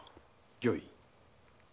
御意。